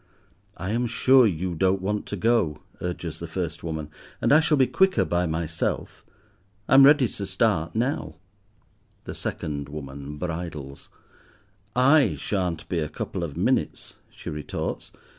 "I am sure you don't want to go," urges the first woman, "and I shall be quicker by myself. I am ready to start now." The second woman bridles. "I shan't be a couple of minutes," she retorts.